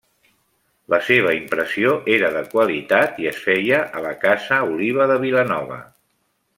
La seva impressió era de qualitat i es feia a la casa Oliva de Vilanova.